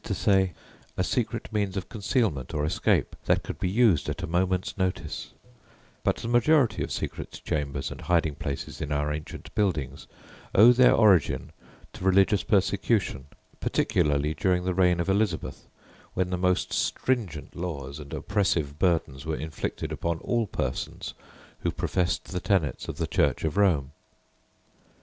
_ a secret means of concealment or escape that could be used at a moment's notice; but the majority of secret chambers and hiding places in our ancient buildings owe their origin to religious persecution, particularly during the reign of Elizabeth, when the most stringent laws and oppressive burdens were inflicted upon all persons who professed the tenets of the Church of Rome.